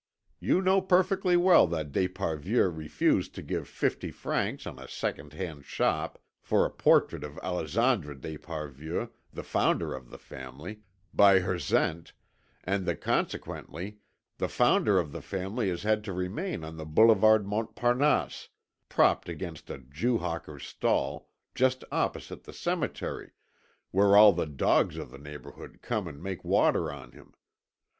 You know perfectly well that d'Esparvieu refused to give fifty francs in a second hand shop for a portrait of Alexandre d'Esparvieu, the founder of the family, by Hersent, and that consequently the founder of the family has had to remain on the Boulevard Montparnasse, propped against a Jew hawker's stall, just opposite the cemetery, where all the dogs of the neighbourhood come and make water on him.